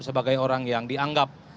sebagai orang yang dianggap